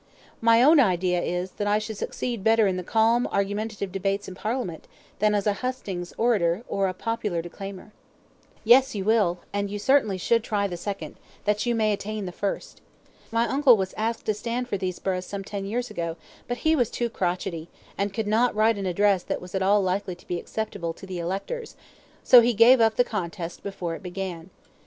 My own idea is, that I should succeed better in the calm argumentative debates in Parliament, than as a hustings orator, or a popular declaimer." "Yes, you will, and you certainly should try the second, that you may attain to the first. My uncle was asked to stand for these burghs some ten years ago, but he was too crotchety, and could not write an address that was at all likely to be acceptable to the electors, so he gave up the contest before it began.